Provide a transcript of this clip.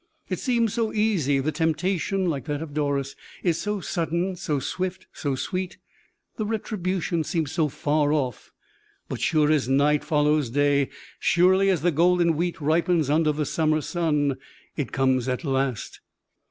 It seems so easy; the temptation, like that of Doris, is so sudden, so swift, so sweet; the retribution seems so far off. But, sure as night follows day, surely as the golden wheat ripens under the summer sun, it comes at last.